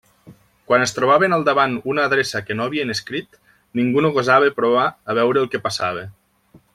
Quan es trobaven al davant una adreça «que no havien escrit», ningú no gosava «provar» a veure el que passava.